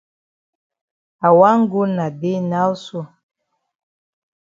I wan go na dey now so.